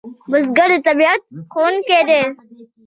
بزګر د طبیعت ښوونکی دی